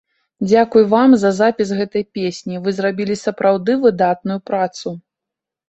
Дзякуй вам за запіс гэтай песні, вы зрабілі сапраўды выдатную працу.